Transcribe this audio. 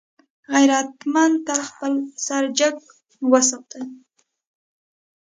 غیرتمند تل خپل سر جګ وساتي